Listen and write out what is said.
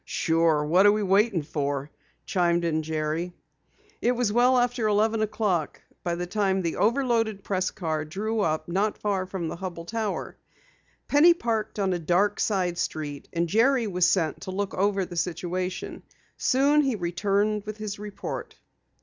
"Sure, what are we waiting for?" chimed in Jerry. It was well after eleven o'clock by the time the over loaded press car drew up not far from the Hubell Tower. Penny parked on a dark side street, and Jerry was sent to look over the situation. Soon he returned with his report.